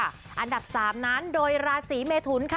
อันดับ๓นั้นโดยราศีเมทุนค่ะ